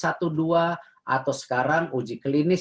atau sekarang uji klinis satu dua